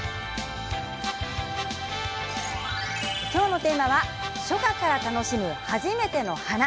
きょうのテーマは初夏から楽しむ、はじめての花。